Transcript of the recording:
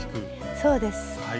そうです。